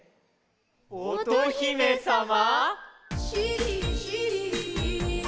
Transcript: おとひめさま